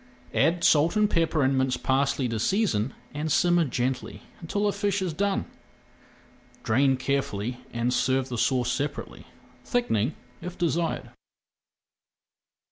Add salt and pepper and minced parsley to season and simmer gently until the fish is done. Drain carefully and serve the sauce separately, thickening if desired.